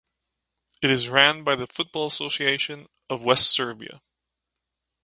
It is ran by the Football Association of West Serbia.